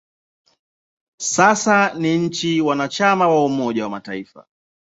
Sasa ni nchi mwanachama wa Umoja wa Mataifa.